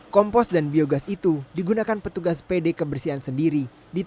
kompos dan biogas itu digunakan petugas pd kebersihan sendiri